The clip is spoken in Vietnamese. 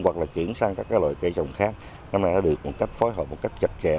hoặc là chuyển sang các loại cây trồng khác năm nay đã được phối hợp một cách chặt chẽ